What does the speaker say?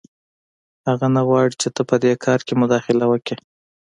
هغه نه غواړي چې ته په دې کار کې مداخله وکړې